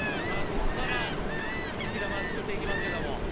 さぁここから雪玉作って行きますけども。